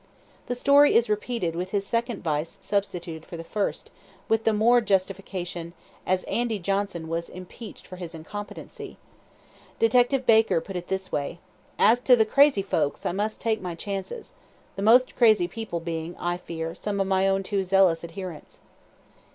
The story is repeated with his second Vice substituted for the first, with the more justification, as "Andy" Johnson was impeached for his incompetency. Detective Baker put it this way: "As to the crazy folks, I must take my chances. The most crazy people being, I fear, some of my own too zealous adherents."